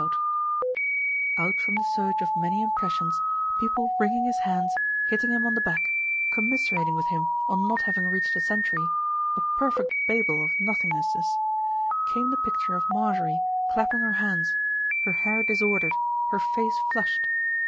Out from the surge of many impressions, people wringing his hands, hitting him on the back, com miserating with him on not having reached a century, a perfect babel of nothingnesses, came the picture of Marjorie clapping her hands, her hair disordered, her face flushed.